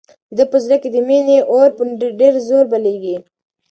د ده په زړه کې د مینې اور په ډېر زور بلېږي.